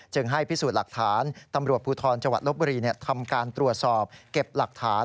ให้พิสูจน์หลักฐานตำรวจภูทรจังหวัดลบบุรีทำการตรวจสอบเก็บหลักฐาน